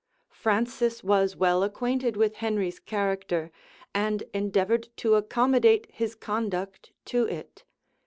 {1520.} Francis was well acquainted with Henry's character, and endeavored to accommodate his conduct to it.